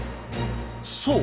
そう。